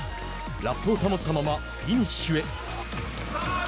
ラップを保ったままフィニッシュへ。